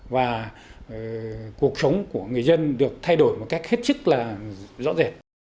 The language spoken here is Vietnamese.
và cuộc sống của người dân được thay đổi một cách hết sức là rõ rệt